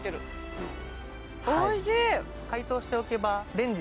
おいしい！